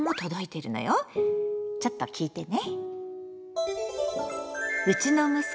ちょっと聞いてね。